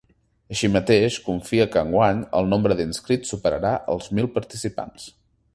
Així mateix, confia que enguany el nombre d’inscrits superarà els mil participants.